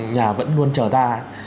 nhà vẫn luôn chờ ta